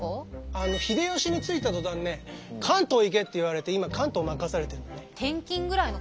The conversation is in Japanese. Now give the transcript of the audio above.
あの秀吉についた途端ね関東行けって言われて今関東任されてるのね。